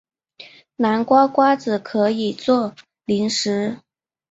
南瓜瓜子可以做零食。